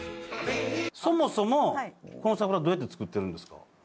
そもそもこの桜はどうやって作ってるんですか？